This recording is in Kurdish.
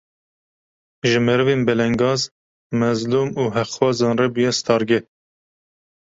Ji merivên belengaz, mezlum û heqxwazan re bûye stargeh